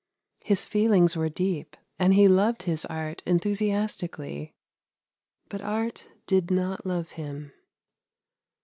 His feelings were deep, and he loved his art enthusias tically, but art did not love him.